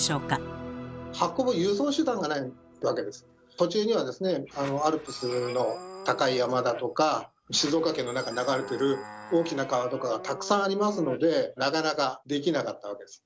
途中にはですねアルプスの高い山だとか静岡県の中に流れてる大きな川とかがたくさんありますのでなかなかできなかったわけです。